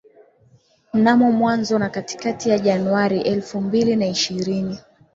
Mnamo mwanzo na katikati ya Januari elfu mbili na ishirini